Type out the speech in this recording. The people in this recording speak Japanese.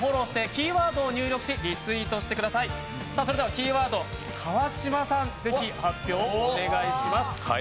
キーワード、川島さん、ぜひ発表をお願いします。